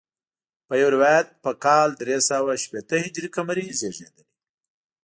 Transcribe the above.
په یو روایت په کال درې سوه شپېته هجري قمري زیږېدلی.